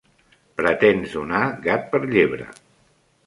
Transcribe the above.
Pretens donar gat per llebre.